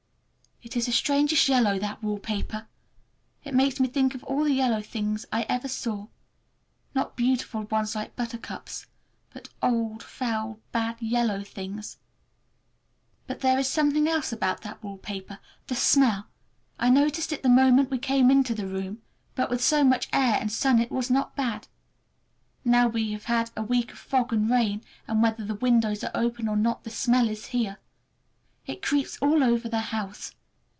It is the strangest yellow, that wallpaper! It makes me think of all the yellow things I ever saw—not beautiful ones like buttercups, but old foul, bad yellow things. But there is something else about that paper—the smell! I noticed it the moment we came into the room, but with so much air and sun it was not bad. Now we have had a week of fog and rain, and whether the windows are open or not, the smell is here. It creeps all over the house.